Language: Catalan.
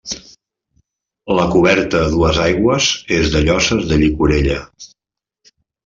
La coberta a dues aigües és de lloses de llicorella.